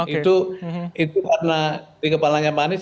itu karena di kepalanya pak anies